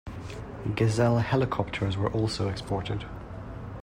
Gazelle helicopters were also exported.